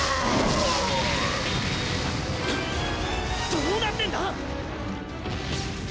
どうなってんだ？